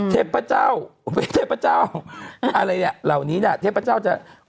เทพพระเจ้าเว้ยเทพพระเจ้าอะไรเนี่ยเหล่านี้เนี่ยเทพพระเจ้าจะ